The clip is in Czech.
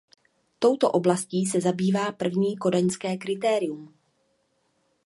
Touto oblastí se zabývá první kodaňské kritérium.